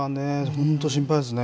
本当、心配ですね。